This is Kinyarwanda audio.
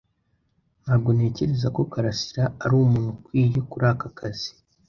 Ntabwo ntekereza ko karasira ari umuntu ukwiye kuri aka kazi.